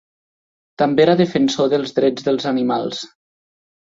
També era defensor dels drets dels animals.